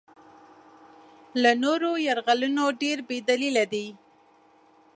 له نورو یرغلونو ډېر بې دلیله دی.